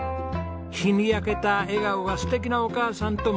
日に焼けた笑顔が素敵なお母さんと娘の物語です。